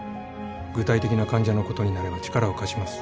具体的な患者のことになれば力を貸します。